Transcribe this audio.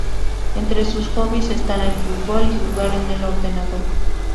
Entre sus hobbies están el fútbol y jugar en el ordenador.